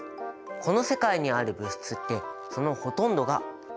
この世界にある物質ってそのほとんどが混合物。